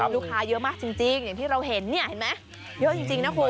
ลูกค้าเยอะมากจริงอย่างที่เราเห็นเนี่ยเยอะจริงนะภูมิ